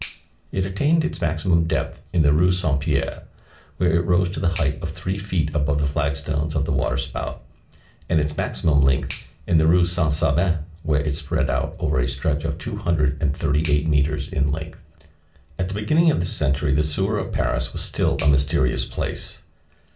It attained its maximum depth in the Rue Saint Pierre, where it rose to the height of three feet above the flag stones of the water spout, and its maximum length in the Rue Saint Sabin, where it spread out over a stretch two hundred and thirty eight metres in length. At the beginning of this century, the sewer of Paris was still a mysterious place.